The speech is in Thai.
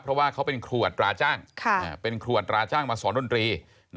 เพราะว่าเขาเป็นครัวอัตราจ้างเป็นครัวตราจ้างมาสอนดนตรี